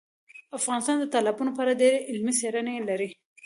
افغانستان د تالابونو په اړه ډېرې علمي څېړنې لري.